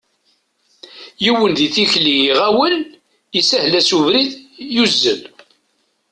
Yiwen di tikli iɣawel, ishel-as ubrid, yuzzel.